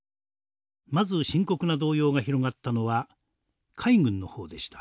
まず深刻な動揺が広がったのは海軍の方でした。